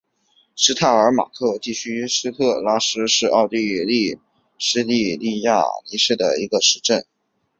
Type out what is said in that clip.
施泰尔马克地区施特拉斯是奥地利施蒂利亚州莱布尼茨县的一个市镇。